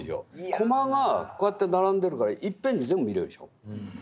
コマがこうやって並んでるからいっぺんに全部見れるでしょ。